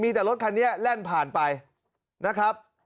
มีแต่รถคันนี้แล่นผ่านไปนะครับ